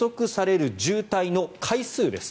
そして予測される渋滞の回数です。